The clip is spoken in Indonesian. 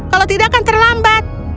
kalau tidak akan terlambat